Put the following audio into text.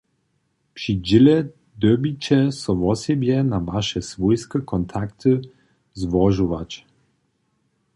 Při dźěle dyrbiće so wosebje na waše swójske kontakty złožować!